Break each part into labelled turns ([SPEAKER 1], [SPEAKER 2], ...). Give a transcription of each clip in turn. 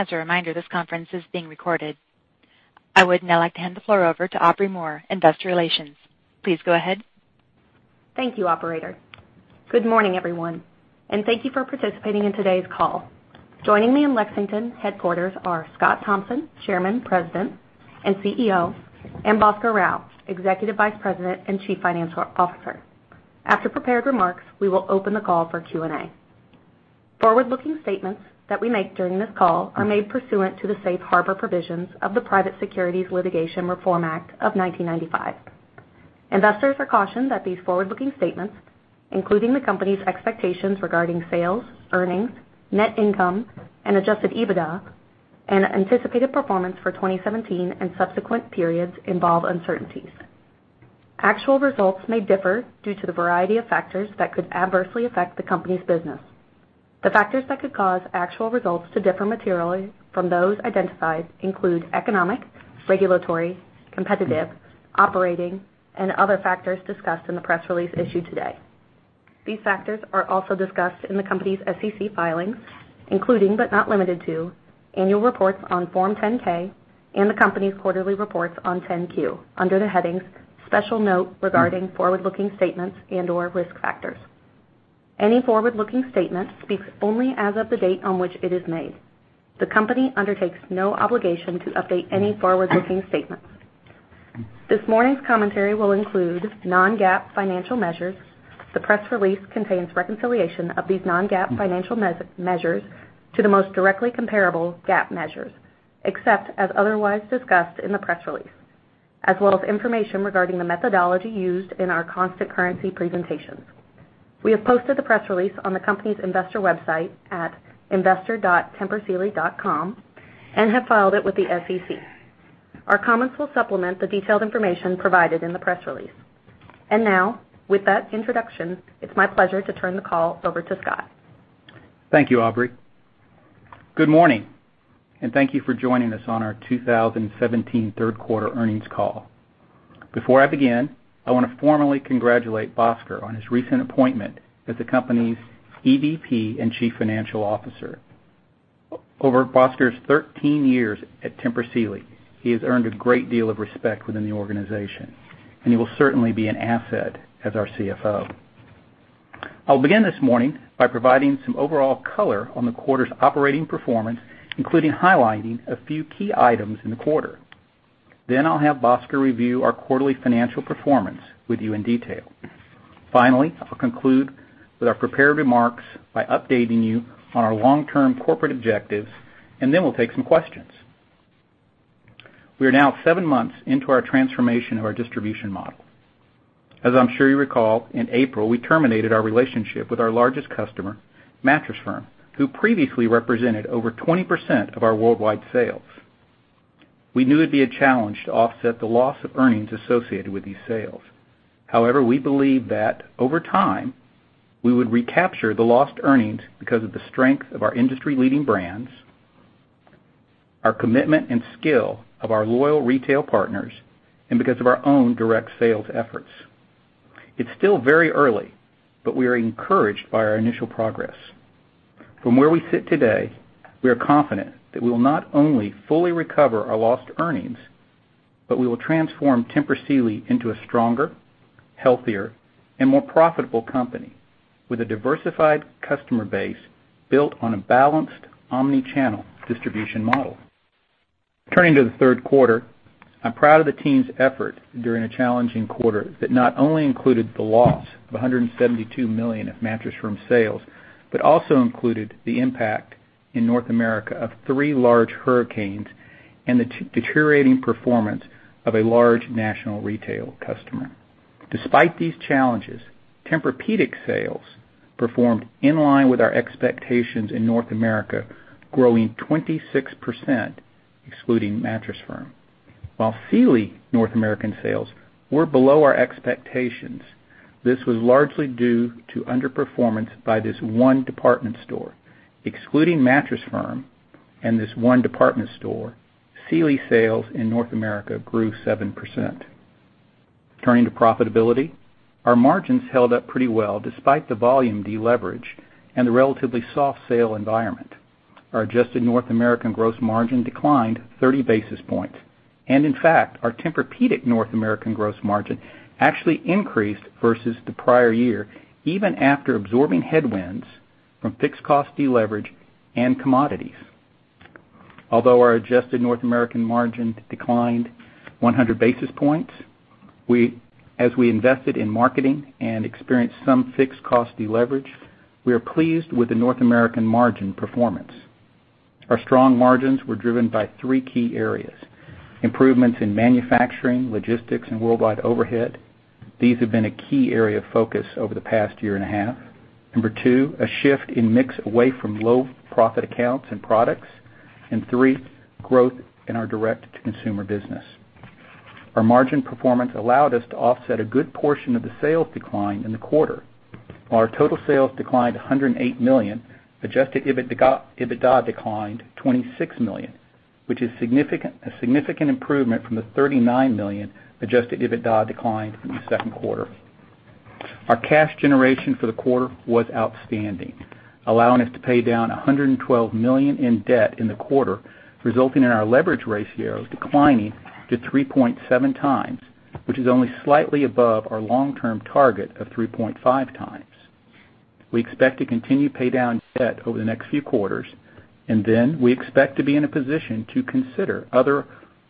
[SPEAKER 1] As a reminder, this conference is being recorded. I would now like to hand the floor over to Aubrey Moore, Investor Relations. Please go ahead.
[SPEAKER 2] Thank you, operator. Good morning, everyone, and thank you for participating in today's call. Joining me in Lexington headquarters are Scott Thompson, Chairman, President, and CEO, and Bhaskar Rao, Executive Vice President and Chief Financial Officer. After prepared remarks, we will open the call for Q&A. Forward-looking statements that we make during this call are made pursuant to the safe harbor provisions of the Private Securities Litigation Reform Act of 1995. Investors are cautioned that these forward-looking statements, including the company's expectations regarding sales, earnings, net income, and adjusted EBITDA and anticipated performance for 2017 and subsequent periods involve uncertainties. Actual results may differ due to the variety of factors that could adversely affect the company's business. The factors that could cause actual results to differ materially from those identified include economic, regulatory, competitive, operating, and other factors discussed in the press release issued today. These factors are also discussed in the company's SEC filings, including, but not limited to annual reports on Form 10-K and the company's quarterly reports on 10-Q under the headings, Special Note Regarding Forward-Looking Statements and/or Risk Factors. Any forward-looking statement speaks only as of the date on which it is made. The company undertakes no obligation to update any forward-looking statements. This morning's commentary will include non-GAAP financial measures. The press release contains reconciliation of these non-GAAP financial measures to the most directly comparable GAAP measures, except as otherwise discussed in the press release, as well as information regarding the methodology used in our constant currency presentations. We have posted the press release on the company's investor website at investor.tempursealy.com and have filed it with the SEC. Our comments will supplement the detailed information provided in the press release. Now, with that introduction, it's my pleasure to turn the call over to Scott.
[SPEAKER 3] Thank you, Aubrey. Good morning, thank you for joining us on our 2017 third quarter earnings call. Before I begin, I wanna formally congratulate Bhaskar on his recent appointment as the company's EVP and Chief Financial Officer. Over Bhaskar's 13 years at Tempur Sealy, he has earned a great deal of respect within the organization, and he will certainly be an asset as our CFO. I'll begin this morning by providing some overall color on the quarter's operating performance, including highlighting a few key items in the quarter. I'll have Bhaskar review our quarterly financial performance with you in detail. Finally, I'll conclude with our prepared remarks by updating you on our long-term corporate objectives, and then we'll take some questions. We are now seven months into our transformation of our distribution model. As I'm sure you recall, in April, we terminated our relationship with our largest customer, Mattress Firm, who previously represented over 20% of our worldwide sales. We knew it'd be a challenge to offset the loss of earnings associated with these sales. We believe that over time, we would recapture the lost earnings because of the strength of our industry-leading brands, our commitment and skill of our loyal retail partners, and because of our own direct sales efforts. It's still very early, we are encouraged by our initial progress. From where we sit today, we are confident that we will not only fully recover our lost earnings, we will transform Tempur Sealy into a stronger, healthier, and more profitable company with a diversified customer base built on a balanced omni-channel distribution model. Turning to the third quarter, I'm proud of the team's effort during a challenging quarter that not only included the loss of $172 million of Mattress Firm sales, but also included the impact in North America of three large hurricanes and the deteriorating performance of a large national retail customer. Despite these challenges, Tempur-Pedic sales performed in line with our expectations in North America, growing 26%, excluding Mattress Firm. While Sealy North American sales were below our expectations, this was largely due to underperformance by this one department store. Excluding Mattress Firm and this one department store, Sealy sales in North America grew 7%. Turning to profitability, our margins held up pretty well despite the volume deleverage and the relatively soft sale environment. Our adjusted North American gross margin declined 30 basis points. In fact, our Tempur-Pedic North American gross margin actually increased versus the prior year, even after absorbing headwinds from fixed cost deleverage and commodities. Although our adjusted North American margin declined 100 basis points, as we invested in marketing and experienced some fixed cost deleverage, we are pleased with the North American margin performance. Our strong margins were driven by three key areas: improvements in manufacturing, logistics, and worldwide overhead. These have been a key area of focus over the past year and a half. Number two, a shift in mix away from low profit accounts and products. Three, growth in our direct-to-consumer business. Our margin performance allowed us to offset a good portion of the sales decline in the quarter. While our total sales declined $108 million, adjusted EBIT, EBITDA declined $26 million, which is significant, a significant improvement from the $39 million adjusted EBITDA decline from the second quarter. Our cash generation for the quarter was outstanding, allowing us to pay down $112 million in debt in the quarter, resulting in our leverage ratio declining to 3.7x, which is only slightly above our long-term target of 3.5x. We expect to continue pay down debt over the next few quarters, and then we expect to be in a position to consider other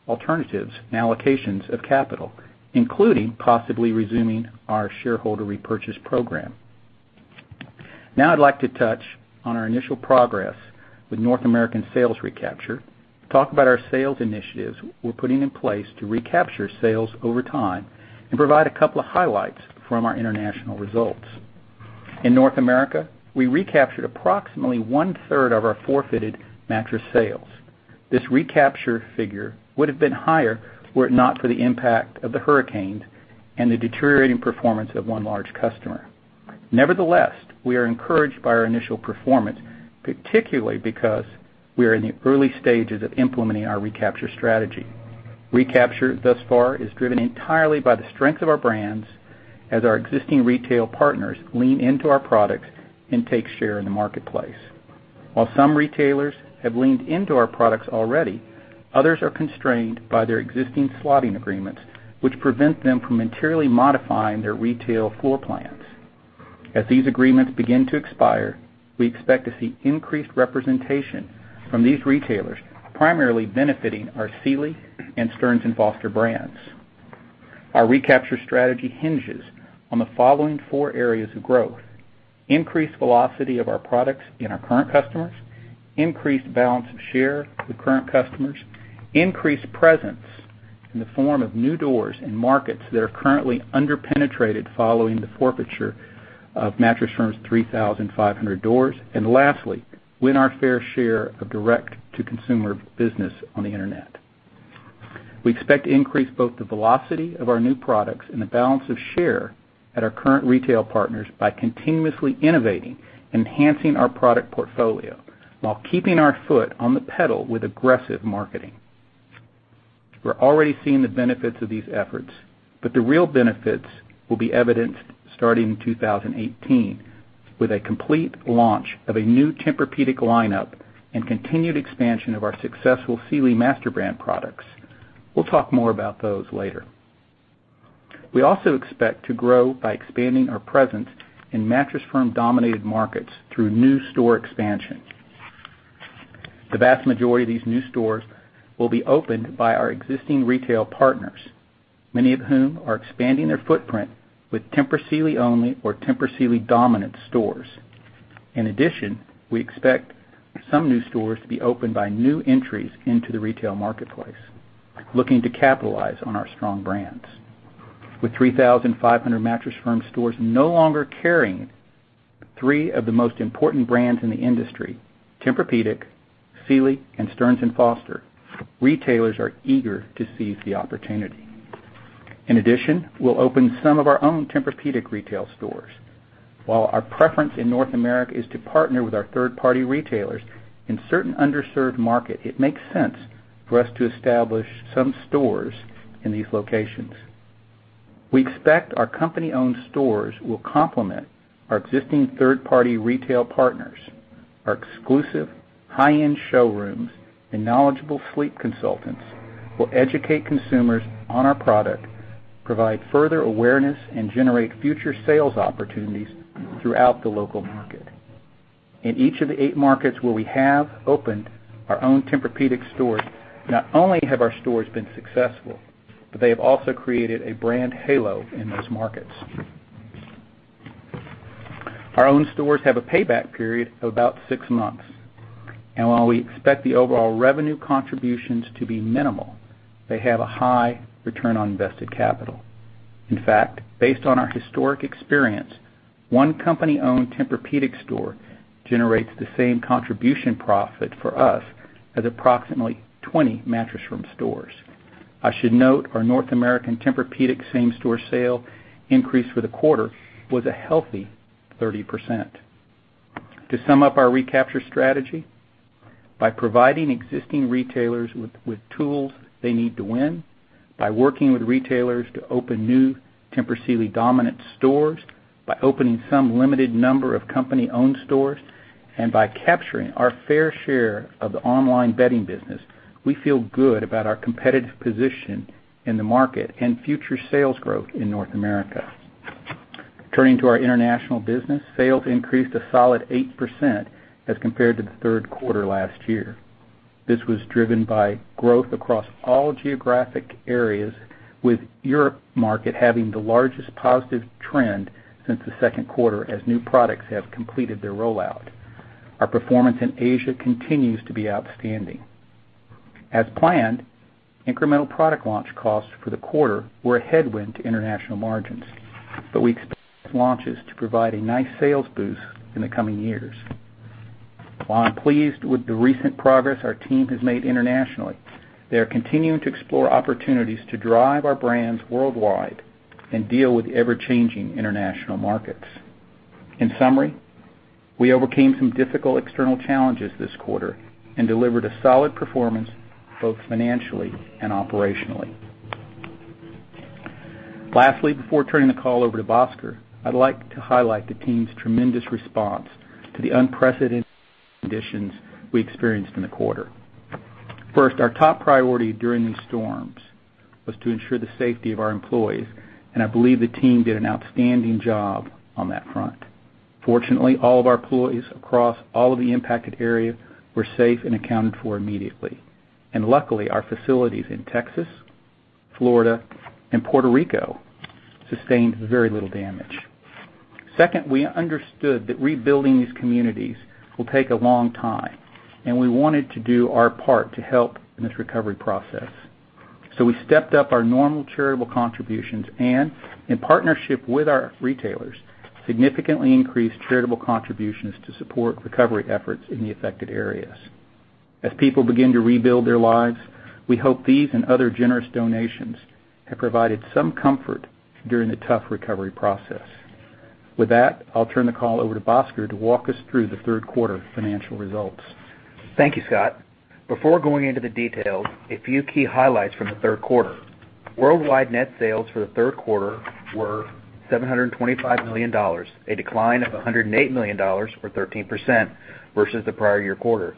[SPEAKER 3] alternatives and allocations of capital, including possibly resuming our shareholder repurchase program. I'd like to touch on our initial progress with North American sales recapture, talk about our sales initiatives we're putting in place to recapture sales over time, and provide a couple of highlights from our international results. In North America, we recaptured approximately one-third of our forfeited mattress sales. This recapture figure would have been higher were it not for the impact of the hurricane and the deteriorating performance of one large customer. Nevertheless, we are encouraged by our initial performance, particularly because we are in the early stages of implementing our recapture strategy. Recapture thus far is driven entirely by the strength of our brands as our existing retail partners lean into our products and take share in the marketplace. While some retailers have leaned into our products already, others are constrained by their existing slotting agreements, which prevent them from materially modifying their retail floor plans. As these agreements begin to expire, we expect to see increased representation from these retailers, primarily benefiting our Sealy and Stearns & Foster brands. Our recapture strategy hinges on the following four areas of growth: increased velocity of our products in our current customers, increased balance of share with current customers, increased presence in the form of new doors and markets that are currently under-penetrated following the forfeiture of Mattress Firm's 3,500 doors, and lastly, win our fair share of direct-to-consumer business on the Internet. We expect to increase both the velocity of our new products and the balance of share at our current retail partners by continuously innovating, enhancing our product portfolio while keeping our foot on the pedal with aggressive marketing. We're already seeing the benefits of these efforts, but the real benefits will be evidenced starting 2018, with a complete launch of a new Tempur-Pedic lineup and continued expansion of our successful Sealy master brand products. We'll talk more about those later. We also expect to grow by expanding our presence in Mattress Firm-dominated markets through new store expansion. The vast majority of these new stores will be opened by our existing retail partners, many of whom are expanding their footprint with Tempur Sealy only or Tempur Sealy dominant stores. In addition, we expect some new stores to be opened by new entries into the retail marketplace looking to capitalize on our strong brands. With 3,500 Mattress Firm stores no longer carrying three of the most important brands in the industry, Tempur-Pedic, Sealy, and Stearns & Foster, retailers are eager to seize the opportunity. In addition, we'll open some of our own Tempur-Pedic retail stores. While our preference in North America is to partner with our third-party retailers, in certain underserved market, it makes sense for us to establish some stores in these locations. We expect our company-owned stores will complement our existing third-party retail partners. Our exclusive high-end showrooms and knowledgeable sleep consultants will educate consumers on our product, provide further awareness, and generate future sales opportunities throughout the local market. In each of the eight markets where we have opened our own Tempur-Pedic stores, not only have our stores been successful, but they have also created a brand halo in those markets. Our own stores have a payback period of about six months. While we expect the overall revenue contributions to be minimal, they have a high return on invested capital. In fact, based on our historic experience, one company-owned Tempur-Pedic store generates the same contribution profit for us as approximately 20 Mattress Firm stores. I should note our North American Tempur-Pedic same-store sale increase for the quarter was a healthy 30%. To sum up our recapture strategy, by providing existing retailers with tools they need to win, by working with retailers to open new Tempur Sealy dominant stores, by opening some limited number of company-owned stores, and by capturing our fair share of the online bedding business, we feel good about our competitive position in the market and future sales growth in North America. Turning to our international business, sales increased a solid 8% as compared to the third quarter last year. This was driven by growth across all geographic areas, with Europe market having the largest positive trend since the second quarter as new products have completed their rollout. Our performance in Asia continues to be outstanding. As planned, incremental product launch costs for the quarter were a headwind to international margins, but we expect these launches to provide a nice sales boost in the coming years. While I'm pleased with the recent progress our team has made internationally, they are continuing to explore opportunities to drive our brands worldwide and deal with ever-changing international markets. In summary, we overcame some difficult external challenges this quarter and delivered a solid performance both financially and operationally. Lastly, before turning the call over to Bhaskar, I'd like to highlight the team's tremendous response to the unprecedented conditions we experienced in the quarter. Our top priority during these storms was to ensure the safety of our employees, and I believe the team did an outstanding job on that front. Fortunately, all of our employees across all of the impacted areas were safe and accounted for immediately. Luckily, our facilities in Texas, Florida, and Puerto Rico sustained very little damage. We understood that rebuilding these communities will take a long time, and we wanted to do our part to help in this recovery process. We stepped up our normal charitable contributions and in partnership with our retailers, significantly increased charitable contributions to support recovery efforts in the affected areas. As people begin to rebuild their lives, we hope these and other generous donations have provided some comfort during the tough recovery process. With that, I'll turn the call over to Bhaskar to walk us through the third quarter financial results.
[SPEAKER 4] Thank you, Scott. Before going into the details, a few key highlights from the third quarter. Worldwide net sales for the third quarter were $725 million, a decline of $108 million or 13% versus the prior-year quarter.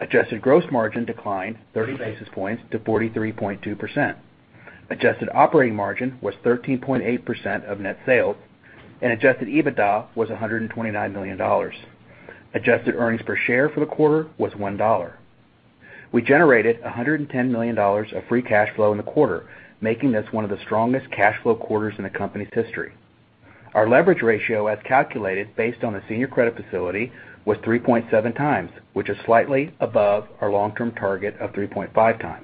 [SPEAKER 4] Adjusted gross margin declined 30 basis points to 43.2%. Adjusted operating margin was 13.8% of net sales, and adjusted EBITDA was $129 million. Adjusted earnings per share for the quarter was $1. We generated $110 million of free cash flow in the quarter, making this one of the strongest cash flow quarters in the company's history. Our leverage ratio as calculated based on the senior credit facility was 3.7x, which is slightly above our long-term target of 3.5x.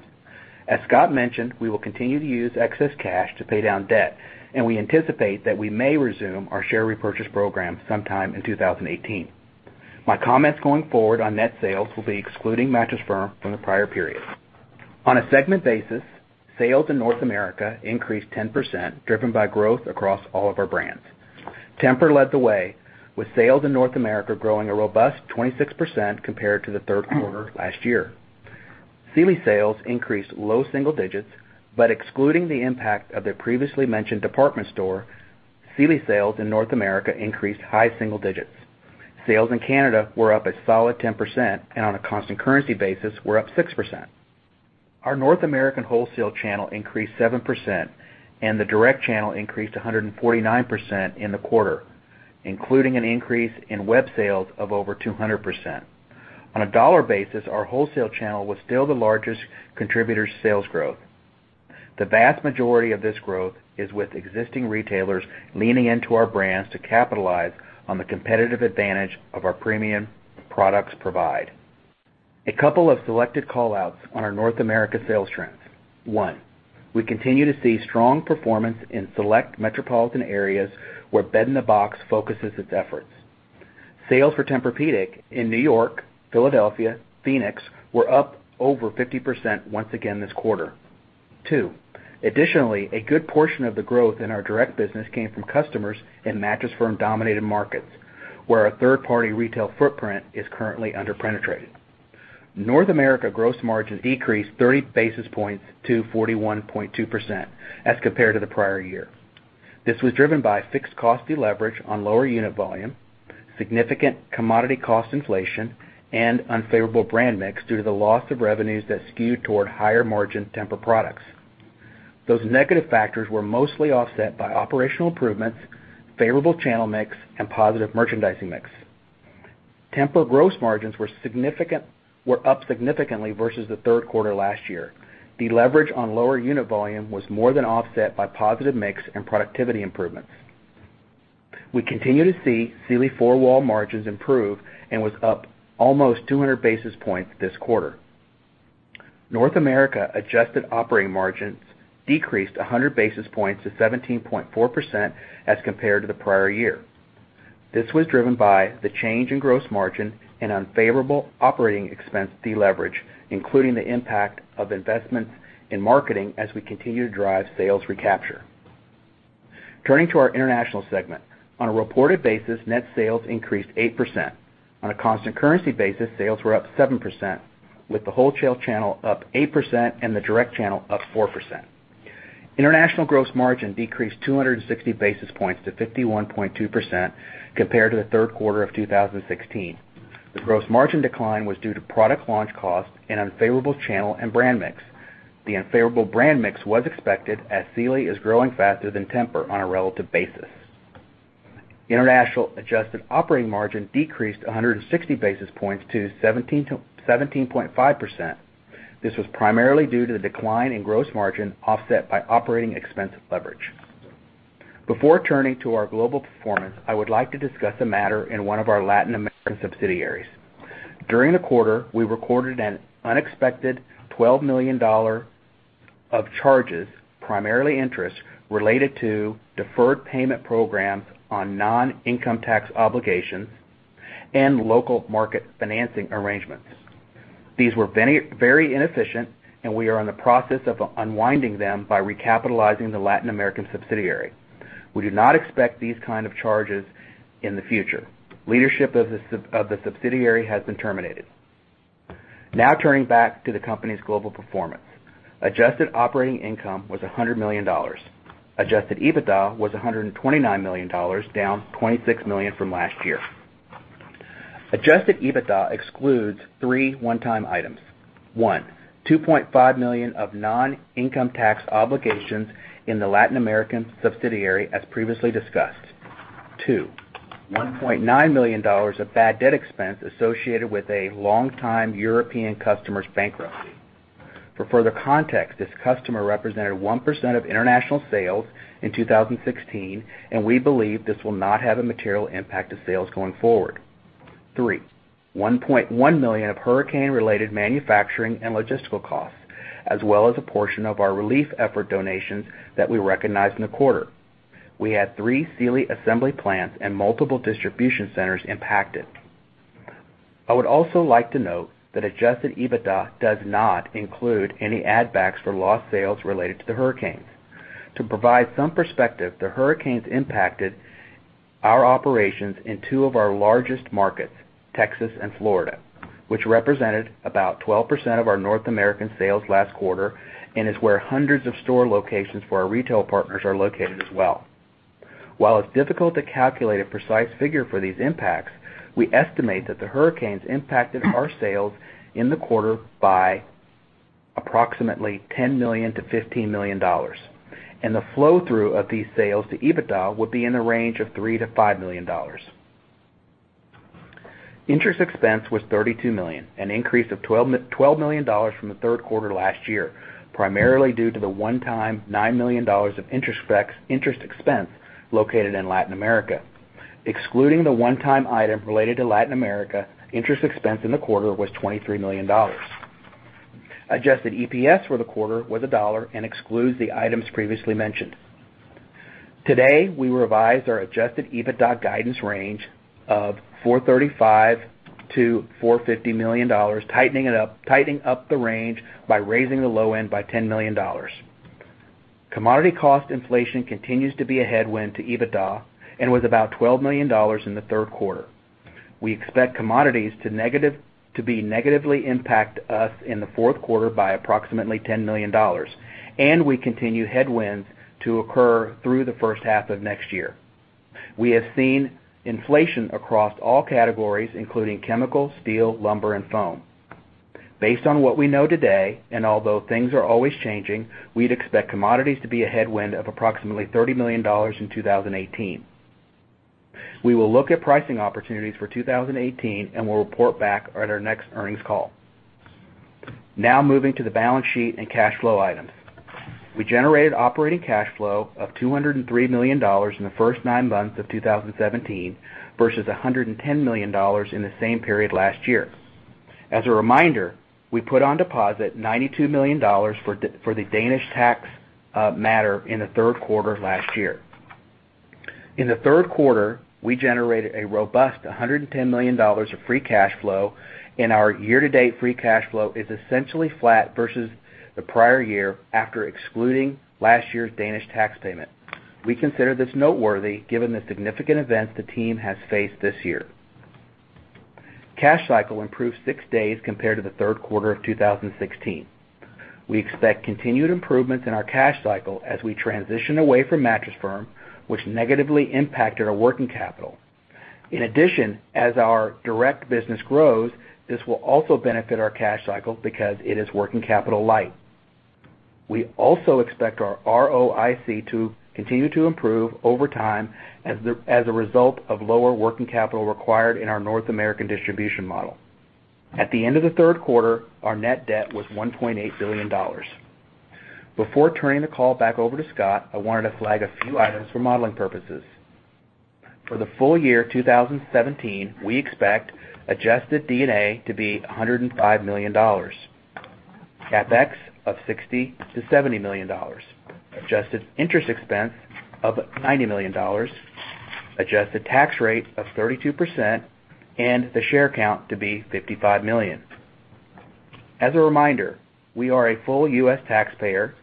[SPEAKER 4] As Scott mentioned, we will continue to use excess cash to pay down debt, and we anticipate that we may resume our share repurchase program sometime in 2018. My comments going forward on net sales will be excluding Mattress Firm from the prior period. On a segment basis, sales in North America increased 10%, driven by growth across all of our brands. Tempur led the way with sales in North America growing a robust 26% compared to the third quarter last year. Sealy sales increased low single digits, but excluding the impact of their previously mentioned department store, Sealy sales in North America increased high single digits. Sales in Canada were up a solid 10% and on a constant currency basis, were up 6%. Our North American wholesale channel increased 7% and the direct channel increased 149% in the quarter, including an increase in web sales of over 200%. On a dollar basis, our wholesale channel was still the largest contributor to sales growth. The vast majority of this growth is with existing retailers leaning into our brands to capitalize on the competitive advantage of our premium products provide. A couple of selected call-outs on our North America sales trends. One, we continue to see strong performance in select metropolitan areas where bed-in-a-box focuses its efforts. Sales for Tempur-Pedic in New York, Philadelphia, Phoenix were up over 50% once again this quarter. Two, additionally, a good portion of the growth in our direct business came from customers in Mattress Firm-dominated markets, where our third-party retail footprint is currently under-penetrated. North America gross margins decreased 30 basis points to 41.2% as compared to the prior year. This was driven by fixed cost deleverage on lower unit volume, significant commodity cost inflation, and unfavorable brand mix due to the loss of revenues that skewed toward higher-margin Tempur products. Those negative factors were mostly offset by operational improvements, favorable channel mix, and positive merchandising mix. Tempur gross margins were up significantly versus the third quarter last year. The leverage on lower unit volume was more than offset by positive mix and productivity improvements. We continue to see Sealy four-wall margins improve and was up almost 200 basis points this quarter. North America adjusted operating margins decreased 100 basis points to 17.4% as compared to the prior year. This was driven by the change in gross margin and unfavorable operating expense deleverage, including the impact of investments in marketing as we continue to drive sales recapture. Turning to our international segment, on a reported basis, net sales increased 8%. On a constant currency basis, sales were up 7%, with the wholesale channel up 8% and the direct channel up 4%. International gross margin decreased 260 basis points to 51.2% compared to the third quarter of 2016. The gross margin decline was due to product launch costs and unfavorable channel and brand mix. The unfavorable brand mix was expected as Sealy is growing faster than Tempur on a relative basis. International adjusted operating margin decreased 160 basis points to 17.5%. This was primarily due to the decline in gross margin offset by operating expense leverage. Before turning to our global performance, I would like to discuss a matter in one of our Latin American subsidiaries. During the quarter, we recorded an unexpected $12 million of charges, primarily interest, related to deferred payment programs on non-income tax obligations and local market financing arrangements. These were very, very inefficient, we are in the process of unwinding them by recapitalizing the Latin American subsidiary. We do not expect these kind of charges in the future. Leadership of the subsidiary has been terminated. Turning back to the company's global performance. Adjusted operating income was $100 million. Adjusted EBITDA was $129 million, down $26 million from last year. Adjusted EBITDA excludes three one-time items. One, $2.5 million of non-income tax obligations in the Latin American subsidiary as previously discussed. Two, $1.9 million of bad debt expense associated with a longtime European customer's bankruptcy. For further context, this customer represented 1% of international sales in 2016, and we believe this will not have a material impact to sales going forward. Three, $1.1 million of hurricane-related manufacturing and logistical costs, as well as a portion of our relief effort donations that we recognized in the quarter. We had three Sealy assembly plants and multiple distribution centers impacted. I would also like to note that adjusted EBITDA does not include any add backs for lost sales related to the hurricanes. To provide some perspective, the hurricanes impacted our operations in two of our largest markets, Texas and Florida, which represented about 12% of our North American sales last quarter and is where hundreds of store locations for our retail partners are located as well. While it's difficult to calculate a precise figure for these impacts, we estimate that the hurricanes impacted our sales in the quarter by approximately $10-15 million, and the flow-through of these sales to EBITDA would be in the range of $3-5 million. Interest expense was $32 million, an increase of 12 million dollars from the third quarter last year, primarily due to the one-time $9 million of interest expense located in Latin America. Excluding the one-time item related to Latin America, interest expense in the quarter was $23 million. Adjusted EPS for the quarter was $1 and excludes the items previously mentioned. Today, we revised our adjusted EBITDA guidance range of $435-450 million, tightening up the range by raising the low end by $10 million. Commodity cost inflation continues to be a headwind to EBITDA and was about $12 million in the third quarter. We expect commodities to negatively impact us in the fourth quarter by approximately $10 million, and we continue headwinds to occur through the first half of next year. We have seen inflation across all categories, including chemical, steel, lumber, and foam. Based on what we know today, and although things are always changing, we'd expect commodities to be a headwind of approximately $30 million in 2018. We will look at pricing opportunities for 2018. We'll report back at our next earnings call. Moving to the balance sheet and cash flow items. We generated operating cash flow of $203 million in the first nine months of 2017 versus $110 million in the same period last year. As a reminder, we put on deposit $92 million for the Danish tax matter in the third quarter of last year. In the third quarter, we generated a robust $110 million of free cash flow. Our year-to-date free cash flow is essentially flat versus the prior year after excluding last year's Danish tax payment. We consider this noteworthy given the significant events the team has faced this year. Cash cycle improved six days compared to the third quarter of 2016. We expect continued improvements in our cash cycle as we transition away from Mattress Firm, which negatively impacted our working capital. In addition, as our direct business grows, this will also benefit our cash cycle because it is working capital light. We also expect our ROIC to continue to improve over time as a result of lower working capital required in our North American distribution model. At the end of the third quarter, our net debt was $1.8 billion. Before turning the call back over to Scott, I wanted to flag a few items for modeling purposes. For the full year 2017, we expect adjusted D&A to be $105 million, CapEx of $60-70 million, adjusted interest expense of $90 million, adjusted tax rate of 32%, and the share count to be 55 million. As a reminder, we are a full U.S. taxpayer,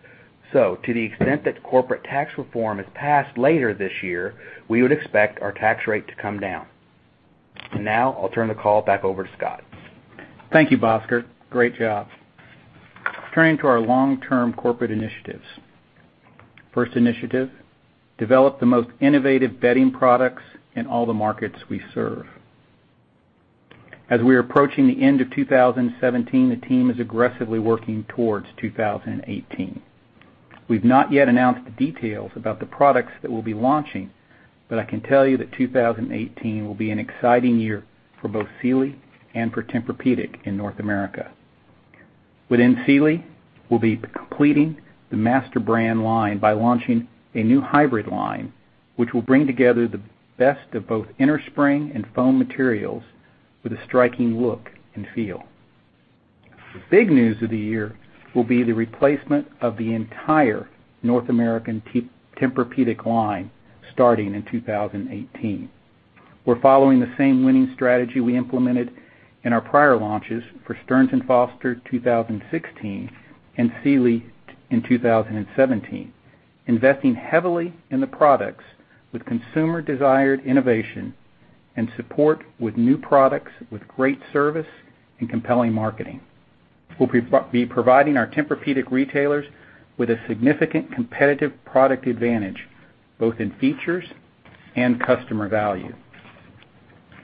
[SPEAKER 4] to the extent that corporate tax reform is passed later this year, we would expect our tax rate to come down. Now I'll turn the call back over to Scott.
[SPEAKER 3] Thank you, Bhaskar. Great job. Turning to our long-term corporate initiatives. First initiative, develop the most innovative bedding products in all the markets we serve. As we are approaching the end of 2017, the team is aggressively working towards 2018. We've not yet announced the details about the products that we'll be launching, but I can tell you that 2018 will be an exciting year for both Sealy and for Tempur-Pedic in North America. Within Sealy, we'll be completing the master brand line by launching a new hybrid line, which will bring together the best of both innerspring and foam materials with a striking look and feel. The big news of the year will be the replacement of the entire North American Tempur-Pedic line starting in 2018. We're following the same winning strategy we implemented in our prior launches for Stearns & Foster 2016 and Sealy in 2017, investing heavily in the products with consumer-desired innovation and support with new products with great service and compelling marketing. We'll be providing our Tempur-Pedic retailers with a significant competitive product advantage, both in features and customer value.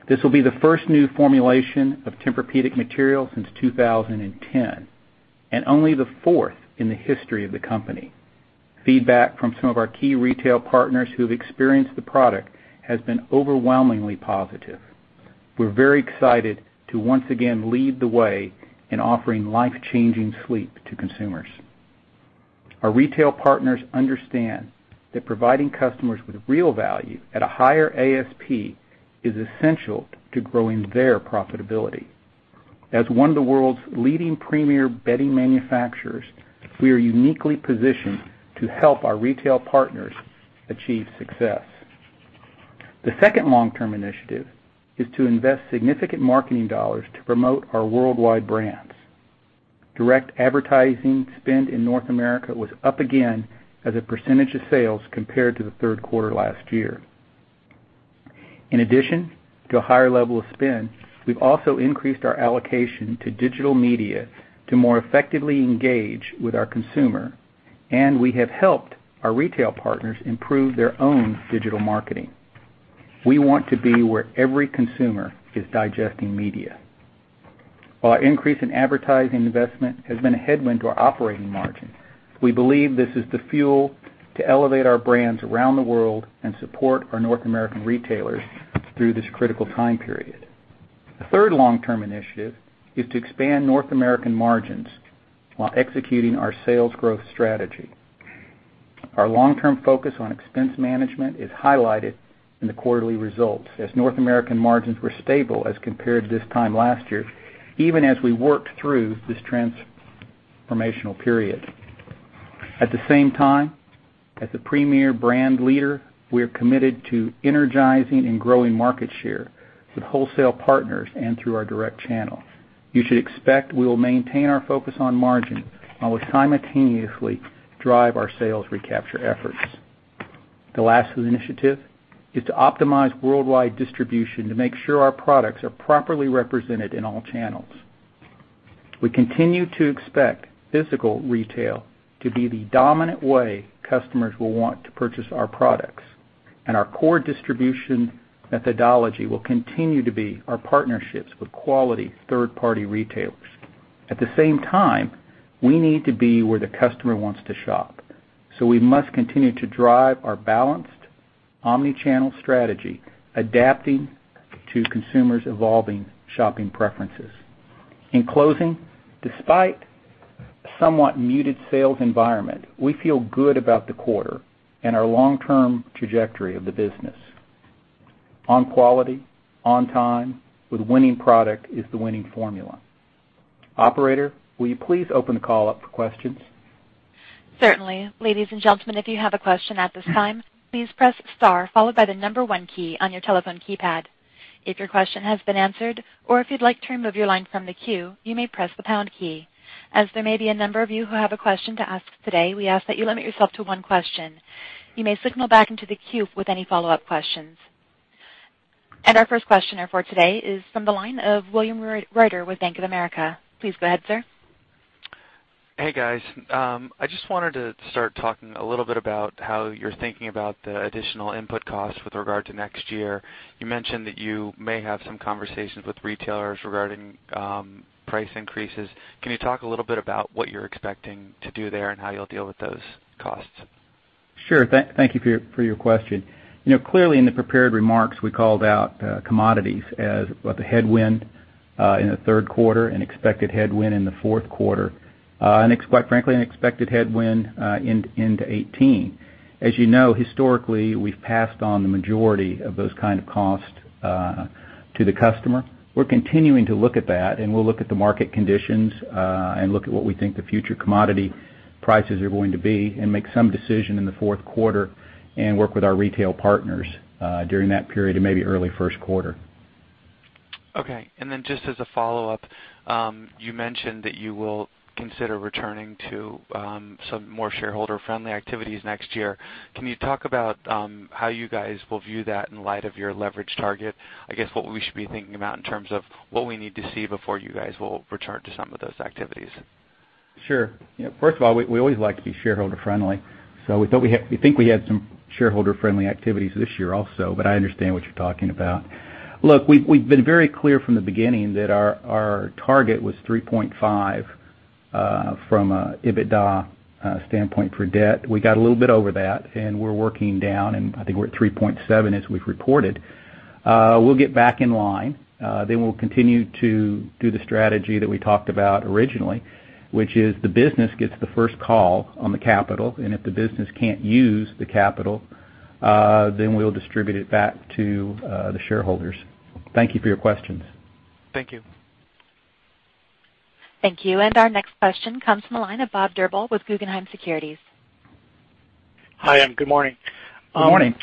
[SPEAKER 3] This will be the first new formulation of Tempur-Pedic material since 2010, and only the fourth in the history of the company. Feedback from some of our key retail partners who have experienced the product has been overwhelmingly positive. We're very excited to once again lead the way in offering life-changing sleep to consumers. Our retail partners understand that providing customers with real value at a higher ASP is essential to growing their profitability. As one of the world's leading premier bedding manufacturers, we are uniquely positioned to help our retail partners achieve success. The second long-term initiative is to invest significant marketing dollars to promote our worldwide brands. Direct advertising spend in North America was up again as a percentage of sales compared to the third quarter last year. In addition to a higher level of spend, we've also increased our allocation to digital media to more effectively engage with our consumer, and we have helped our retail partners improve their own digital marketing. We want to be where every consumer is digesting media. While our increase in advertising investment has been a headwind to our operating margin, we believe this is the fuel to elevate our brands around the world and support our North American retailers through this critical time period. The third long-term initiative is to expand North American margins while executing our sales growth strategy. Our long-term focus on expense management is highlighted in the quarterly results as North American margins were stable as compared to this time last year, even as we worked through this transformational period. At the same time, as a premier brand leader, we are committed to energizing and growing market share with wholesale partners and through our direct channel. You should expect we will maintain our focus on margin while we simultaneously drive our sales recapture efforts. The last initiative is to optimize worldwide distribution to make sure our products are properly represented in all channels. We continue to expect physical retail to be the dominant way customers will want to purchase our products, and our core distribution methodology will continue to be our partnerships with quality third-party retailers. At the same time, we need to be where the customer wants to shop, so we must continue to drive our balanced omni-channel strategy, adapting to consumers' evolving shopping preferences. In closing, despite a somewhat muted sales environment, we feel good about the quarter and our long-term trajectory of the business. On quality, on time, with winning product is the winning formula. Operator, will you please open the call up for questions?
[SPEAKER 1] Certainly. Ladies and gentlemen, if you have a question at this time, please press star followed by the number one key on your telephone keypad. If your question has been answered or if you'd like to remove your line from the queue, you may press the pound key. As there may be a number of you who have a question to ask today, we ask that you limit yourself to one question. You may signal back into the queue with any follow-up questions. Our first questioner for today is from the line of William Reuter with Bank of America. Please go ahead, sir.
[SPEAKER 5] Hey, guys. I just wanted to start talking a little bit about how you're thinking about the additional input costs with regard to next year. You mentioned that you may have some conversations with retailers regarding price increases. Can you talk a little bit about what you're expecting to do there and how you'll deal with those costs?
[SPEAKER 3] Sure. Thank you for your question. You know, clearly in the prepared remarks, we called out commodities as, well, the headwind in the third quarter, an expected headwind in the fourth quarter, and quite frankly, an expected headwind in, into 2018. As you know, historically, we've passed on the majority of those kind of costs to the customer. We're continuing to look at that, and we'll look at the market conditions, and look at what we think the future commodity prices are going to be and make some decision in the fourth quarter and work with our retail partners during that period and maybe early first quarter.
[SPEAKER 5] Okay. Just as a follow-up, you mentioned that you will consider returning to some more shareholder-friendly activities next year. Can you talk about how you guys will view that in light of your leverage target? I guess what we should be thinking about in terms of what we need to see before you guys will return to some of those activities.
[SPEAKER 3] Sure. First of all, we always like to be shareholder-friendly, so we think we had some shareholder-friendly activities this year also, but I understand what you're talking about. We've been very clear from the beginning that our target was 3.5x from a EBITDA standpoint for debt. We got a little bit over that, and we're working down, and I think we're at 3.7x as we've reported. We'll get back in line. We'll continue to do the strategy that we talked about originally, which is the business gets the first call on the capital, and if the business can't use the capital, then we'll distribute it back to the shareholders. Thank you for your questions.
[SPEAKER 5] Thank you.
[SPEAKER 1] Thank you. Our next question comes from the line of Bobby Griffin with Raymond James.
[SPEAKER 6] Hi, good morning.
[SPEAKER 3] Good morning.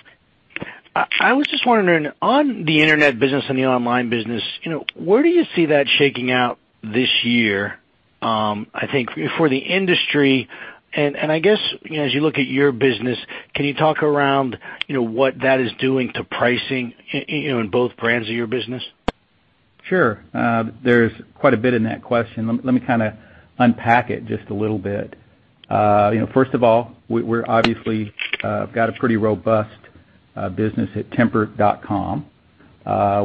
[SPEAKER 6] I was just wondering, on the Internet business and the online business, you know, where do you see that shaking out this year? I think for the industry and I guess, you know, as you look at your business, can you talk around, you know, what that is doing to pricing in, you know, in both brands of your business?
[SPEAKER 3] Sure. There's quite a bit in that question. Let me kinda unpack it just a little bit. You know, first of all, we're obviously got a pretty robust business at tempur.com.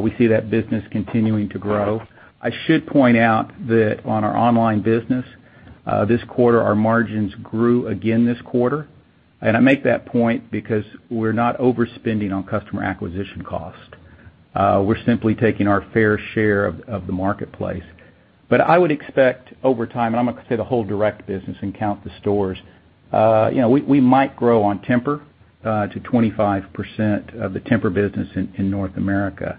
[SPEAKER 3] We see that business continuing to grow. I should point out that on our online business, this quarter, our margins grew again this quarter. I make that point because we're not overspending on customer acquisition cost. We're simply taking our fair share of the marketplace. I would expect over time, and I'm gonna say the whole direct business and count the stores, you know, we might grow on Tempur to 25% of the Tempur business in North America.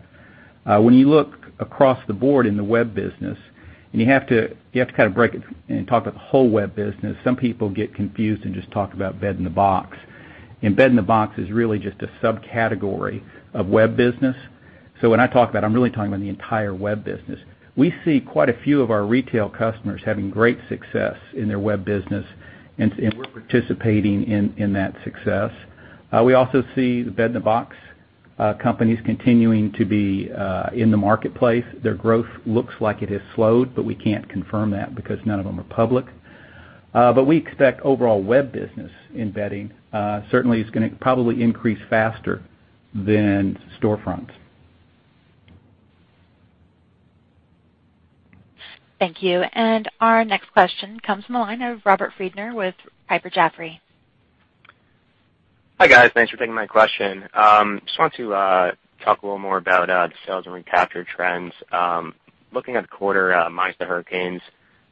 [SPEAKER 3] When you look across the board in the web business, you have to kind of break it and talk about the whole web business. Some people get confused and just talk about bed-in-a-box. bed-in-a-box is really just a subcategory of web business. When I talk about, I'm really talking about the entire web business. We see quite a few of our retail customers having great success in their web business, and we're participating in that success. We also see the bed-in-a-box companies continuing to be in the marketplace. Their growth looks like it has slowed, but we can't confirm that because none of them are public. We expect overall web business in bedding, certainly is gonna probably increase faster than storefronts.
[SPEAKER 1] Thank you. Our next question comes from the line of Robert Friedner with Piper Jaffray.
[SPEAKER 7] Hi, guys. Thanks for taking my question. Just want to talk a little more about the sales and recapture trends. Looking at the quarter, minus the hurricanes,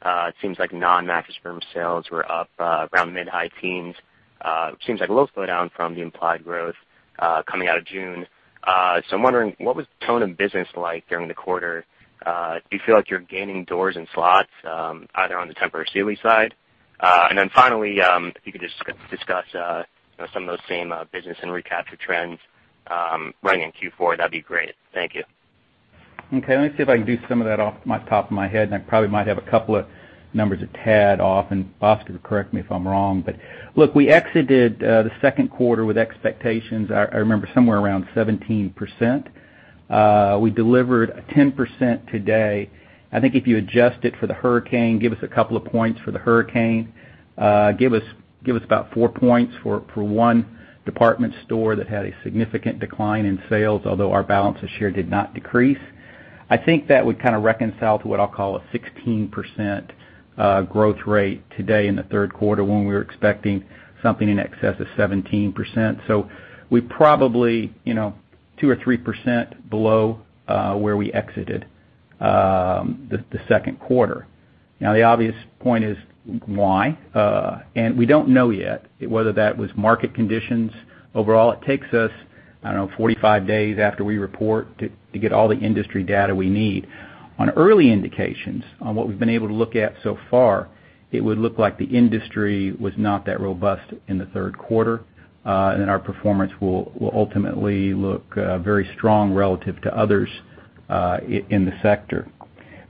[SPEAKER 7] it seems like non-Mattress Firm sales were up around mid-high teens. It seems like a little slowdown from the implied growth coming out of June. I'm wondering, what was the tone of business like during the quarter? Do you feel like you're gaining doors and slots either on the Tempur Sealy side? Finally, if you could just discuss, you know, some of those same business and recapture trends running in Q4, that'd be great. Thank you.
[SPEAKER 3] Okay, let me see if I can do some of that off my top of my head, and I probably might have a couple of numbers a tad off, and Bhaskar can correct me if I'm wrong. Look, we exited the second quarter with expectations, I remember somewhere around 17%. We delivered 10% today. I think if you adjust it for the hurricane, give us a couple of points for the hurricane, give us about 4 points for one department store that had a significant decline in sales, although our balance of share did not decrease. I think that would kind of reconcile to what I'll call a 16% growth rate today in the third quarter when we were expecting something in excess of 17%. We probably, you know, 2% or 3% below where we exited the second quarter. The obvious point is why? We don't know yet whether that was market conditions. Overall, it takes us, I don't know, 45 days after we report to get all the industry data we need. On early indications on what we've been able to look at so far, it would look like the industry was not that robust in the third quarter, and our performance will ultimately look very strong relative to others in the sector.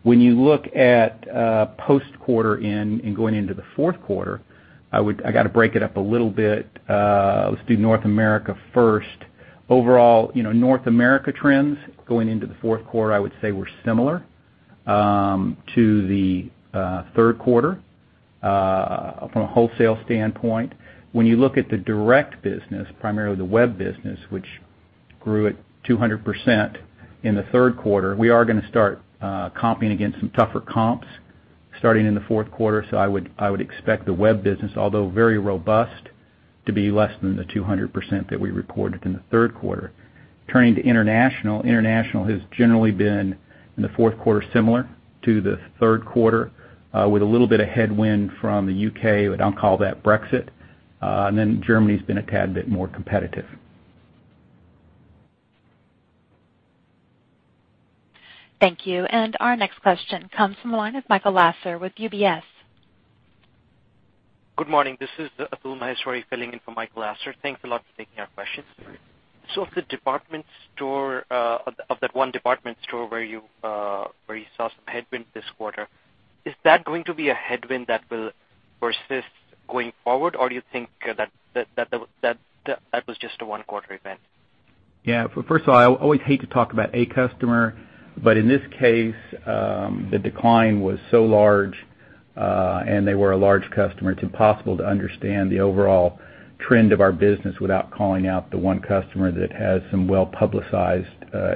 [SPEAKER 3] When you look at post quarter in and going into the fourth quarter, I gotta break it up a little bit. Let's do North America first. Overall, North America trends going into the fourth quarter, I would say were similar to the third quarter from a wholesale standpoint. When you look at the direct business, primarily the web business, which grew at 200% in the third quarter, we are going to start comping against some tougher comps starting in the fourth quarter. I would expect the web business, although very robust, to be less than the 200% that we reported in the third quarter. Turning to international has generally been in the fourth quarter, similar to the third quarter, with a little bit of headwind from the U.K., but I'll call that Brexit. Germany's been a tad bit more competitive.
[SPEAKER 1] Thank you. Our next question comes from the line of Michael Lasser with UBS.
[SPEAKER 8] Good morning. This is Atul Maheshwari filling in for Michael Lasser. Thanks a lot for taking our questions. If the department store, of that one department store where you, where you saw some headwind this quarter, is that going to be a headwind that will persist going forward? Do you think that was just a one-quarter event?
[SPEAKER 3] Yeah. First of all, I always hate to talk about a customer, but in this case, the decline was so large, and they were a large customer. It's impossible to understand the overall trend of our business without calling out the one customer that has some well-publicized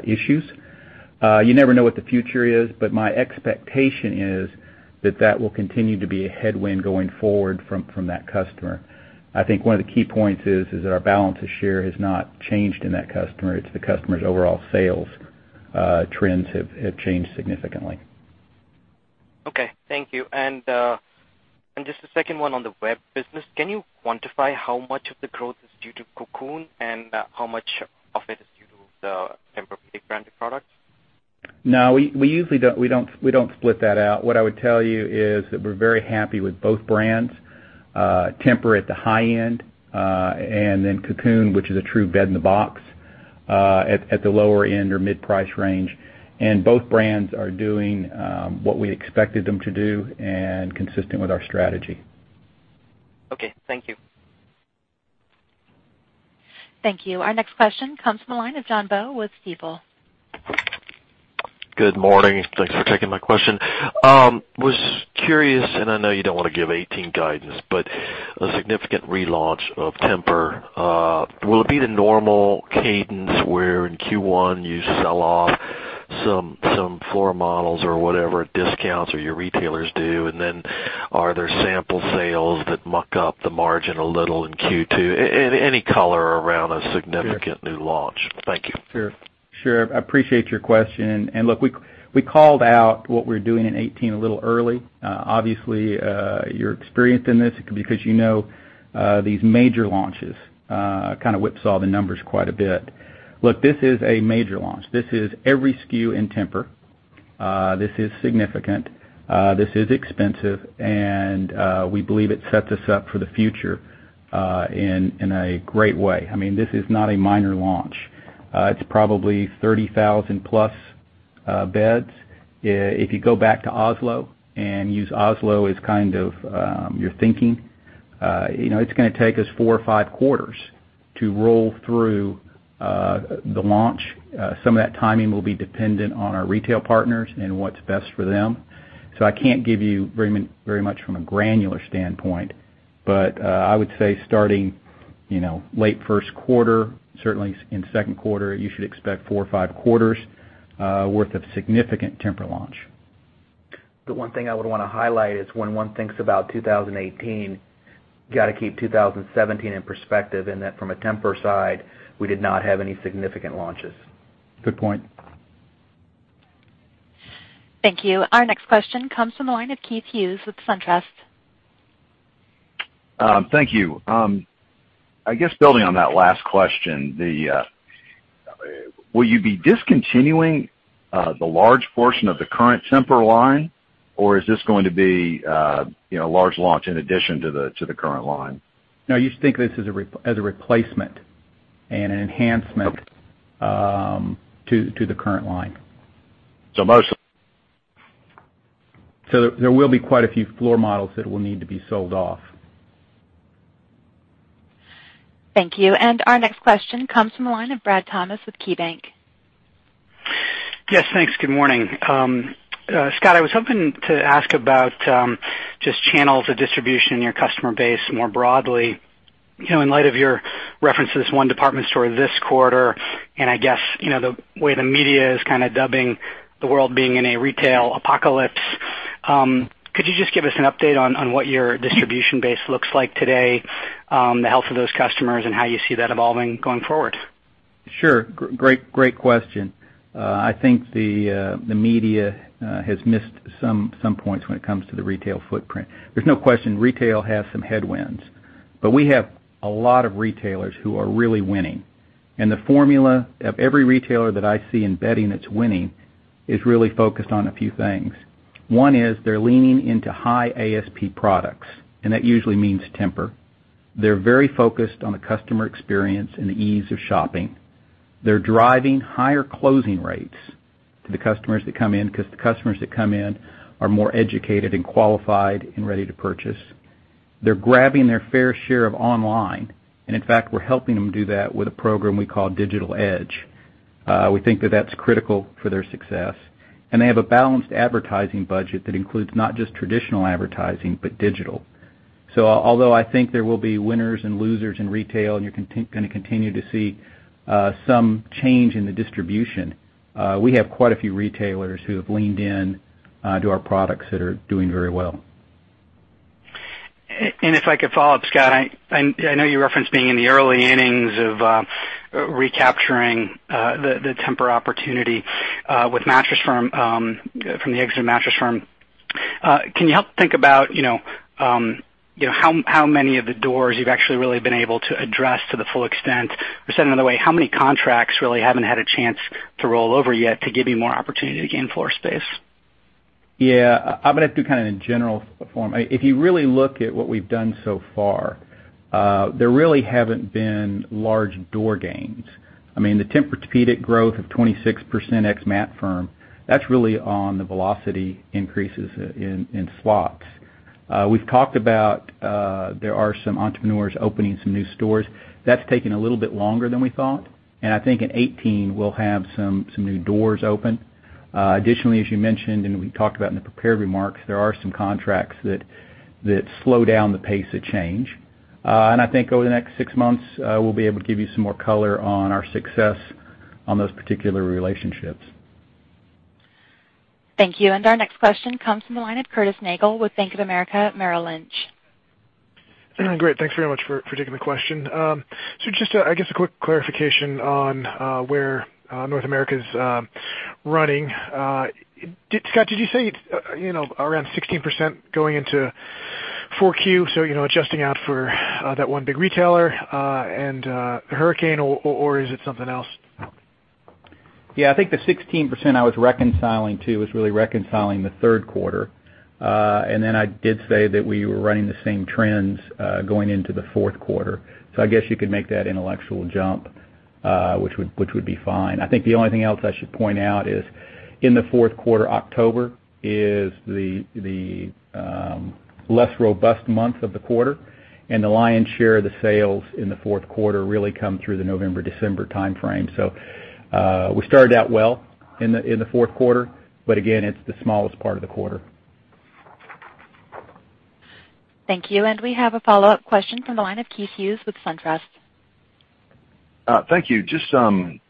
[SPEAKER 3] issues. You never know what the future is, but my expectation is that that will continue to be a headwind going forward from that customer. I think one of the key points is that our balance of share has not changed in that customer. It's the customer's overall sales trends have changed significantly.
[SPEAKER 8] Okay. Thank you. Just a second one on the web business. Can you quantify how much of the growth is due to Cocoon and how much of it is due to the? Brand new product?
[SPEAKER 3] No, we usually don't split that out. What I would tell you is that we're very happy with both brands, Tempur at the high end, and then Cocoon, which is a true bed-in-a-box, at the lower end or mid-price range. Both brands are doing what we expected them to do and consistent with our strategy.
[SPEAKER 8] Okay, thank you.
[SPEAKER 1] Thank you. Our next question comes from the line of John Baugh with Stifel.
[SPEAKER 9] Good morning. Thanks for taking my question. Was curious, I know you don't wanna give 2018 guidance, but a significant relaunch of Tempur, will it be the normal cadence where in Q1 you sell off some floor models or whatever discounts or your retailers do? Are there sample sales that muck up the margin a little in Q2? Any color around a significant new launch. Thank you.
[SPEAKER 3] Sure. Sure. I appreciate your question. Look, we called out what we're doing in 2018 a little early. Obviously, you're experienced in this because you know, these major launches kind of whipsaw the numbers quite a bit. Look, this is a major launch. This is every SKU in Tempur. This is significant. This is expensive, and we believe it sets us up for the future in a great way. I mean, this is not a minor launch. It's probably 30,000 plus beds. If you go back to Oslo and use Oslo as kind of your thinking, you know, it's gonna take us four or five quarters to roll through the launch. Some of that timing will be dependent on our retail partners and what's best for them. I can't give you very very much from a granular standpoint, but I would say starting, you know, late first quarter, certainly in second quarter, you should expect four or five quarters worth of significant Tempur launch.
[SPEAKER 4] The one thing I would wanna highlight is when one thinks about 2018, you gotta keep 2017 in perspective in that from a Tempur side, we did not have any significant launches.
[SPEAKER 3] Good point.
[SPEAKER 1] Thank you. Our next question comes from the line of Keith Hughes with SunTrust.
[SPEAKER 10] Thank you. I guess building on that last question, the, will you be discontinuing the large portion of the current Tempur line, or is this going to be, you know, a large launch in addition to the, to the current line?
[SPEAKER 3] No, you think this as a replacement and an enhancement to the current line.
[SPEAKER 10] So most-
[SPEAKER 3] There will be quite a few floor models that will need to be sold off.
[SPEAKER 1] Thank you. Our next question comes from the line of Bradley Thomas with KeyBanc.
[SPEAKER 11] Yes, thanks. Good morning. Scott, I was hoping to ask about just channels of distribution in your customer base more broadly. You know, in light of your reference to this one department store this quarter, and I guess, you know, the way the media is kind of dubbing the world being in a retail apocalypse, could you just give us an update on what your distribution base looks like today, the health of those customers, and how you see that evolving going forward?
[SPEAKER 3] Sure. Great, great question. I think the media has missed some points when it comes to the retail footprint. There's no question retail has some headwinds. We have a lot of retailers who are really winning. The formula of every retailer that I see in bedding that's winning is really focused on a few things. One is they're leaning into high ASP products, and that usually means Tempur. They're very focused on the customer experience and the ease of shopping. They're driving higher closing rates to the customers that come in because the customers that come in are more educated and qualified and ready to purchase. They're grabbing their fair share of online, and in fact, we're helping them do that with a program we call Digital Edge. We think that that's critical for their success. They have a balanced advertising budget that includes not just traditional advertising, but digital. Although I think there will be winners and losers in retail, and you're gonna continue to see some change in the distribution, we have quite a few retailers who have leaned in to our products that are doing very well.
[SPEAKER 11] If I could follow up, Scott, I know you referenced being in the early innings of recapturing the Tempur opportunity with Mattress Firm from the exit of Mattress Firm. Can you help think about, you know, how many of the doors you've actually really been able to address to the full extent? Said another way, how many contracts really haven't had a chance to roll over yet to give you more opportunity to gain floor space?
[SPEAKER 3] Yeah. I'm going to have to do kind of in general form. If you really look at what we've done so far, there really haven't been large door gains. I mean, the Tempur-Pedic growth of 26% ex Mattress Firm, that's really on the velocity increases in slots. We've talked about, there are some entrepreneurs opening some new stores. That's taken a little bit longer than we thought, and I think in 2018 we'll have some new doors open. Additionally, as you mentioned, and we talked about in the prepared remarks, there are some contracts that slow down the pace of change. I think over the next six months, we'll be able to give you some more color on our success on those particular relationships.
[SPEAKER 1] Thank you. Our next question comes from the line of Curtis Nagle with Bank of America Merrill Lynch.
[SPEAKER 12] Great. Thanks very much for taking the question. Just a, I guess, a quick clarification on where North America's running. Scott, did you say, you know, around 16% going into 4Q, so, you know, adjusting out for that one big retailer and the hurricane or is it something else?
[SPEAKER 3] Yeah, I think the 16% I was reconciling to was really reconciling the third quarter. I did say that we were running the same trends going into the fourth quarter. I guess you could make that intellectual jump, which would be fine. I think the only thing else I should point out is in the fourth quarter, October is the less robust month of the quarter, and the lion's share of the sales in the fourth quarter really come through the November-December timeframe. We started out well in the fourth quarter, but again, it's the smallest part of the quarter.
[SPEAKER 1] Thank you. We have a follow-up question from the line of Keith Hughes with SunTrust.
[SPEAKER 10] Thank you. Just in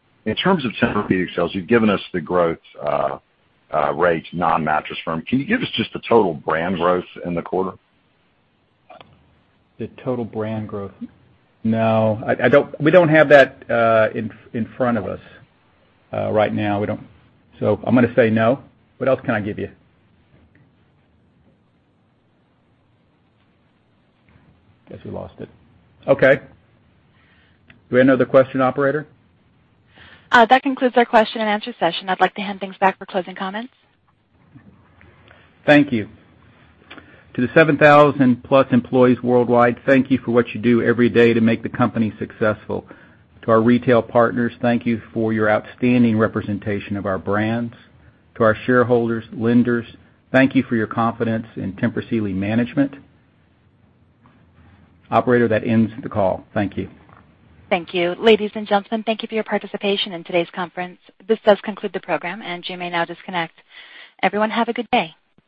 [SPEAKER 10] terms of Tempur-Pedic sales, you've given us the growth rate non-Mattress Firm. Can you give us just the total brand growth in the quarter?
[SPEAKER 3] The total brand growth? No, we don't have that in front of us. Right now, we don't. I'm going to say no. What else can I give you? Guess we lost it. Okay. Do we have another question, operator?
[SPEAKER 1] That concludes our question and answer session. I'd like to hand things back for closing comments.
[SPEAKER 3] Thank you. To the 7,000+ employees worldwide, thank you for what you do every day to make the company successful. To our retail partners, thank you for your outstanding representation of our brands. To our shareholders, lenders, thank you for your confidence in Tempur Sealy management. Operator, that ends the call. Thank you.
[SPEAKER 1] Thank you. Ladies and gentlemen, thank you for your participation in today's conference. This does conclude the program, and you may now disconnect. Everyone, have a good day.